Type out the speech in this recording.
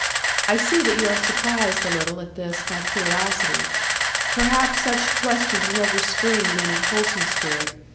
I see that you are surprised a little at this my curiosity. Perhaps such questions never spring in any wholesome spirit.